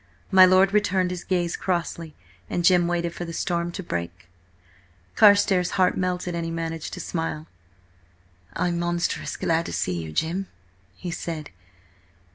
My lord returned his gaze crossly, and Jim waited for the storm to break. Carstares' heart melted, and he managed to smile. "I'm monstrous glad to see you, Jim," he said.